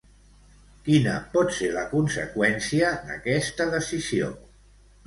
Quina pot ser la conseqüència d'aquesta decisió?